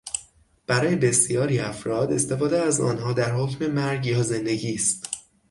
برای بسیاری افراد، استفاده از آنها در حکم مرگ یا زندگی است